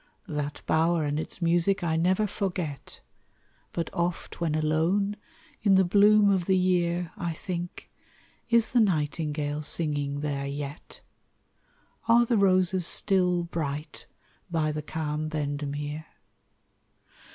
That bower and its music I never forget, But oft when alone, in the bloom of the year, I think is the nightingale singing there yet? Are the roses still bright by the calm Bendemeer?